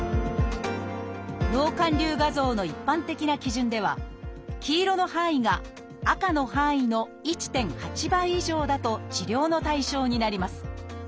脳灌流画像の一般的な基準では黄色の範囲が赤の範囲の１．８倍以上だと治療の対象になります。